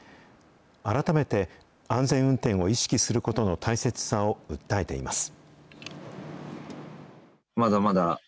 改めて、安全運転を意識することの大切さを訴えています。